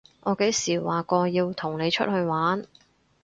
我幾時話過要同你出去玩？